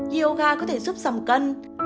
yoga có thể giúp giảm cân